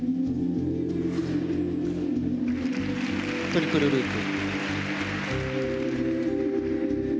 トリプルループ。